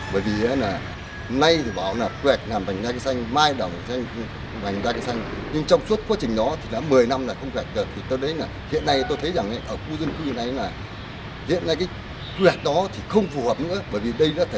bởi vì đây đã thể thành một cái khu dân cư rồi